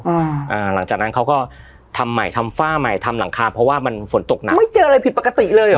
อ่าอ่าหลังจากนั้นเขาก็ทำใหม่ทำฝ้าใหม่ทำหลังคาเพราะว่ามันฝนตกหนักไม่เจออะไรผิดปกติเลยเหรอ